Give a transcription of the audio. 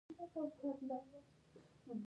افغانستان د کلیو له پلوه ځانګړتیاوې لري.